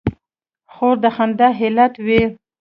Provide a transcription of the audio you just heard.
خور د خندا علت وي.